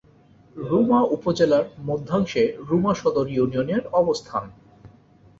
রুমা উপজেলার মধ্যাংশে রুমা সদর ইউনিয়নের অবস্থান।